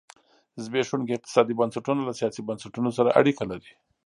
زبېښونکي اقتصادي بنسټونه له سیاسي بنسټونه سره اړیکه لري.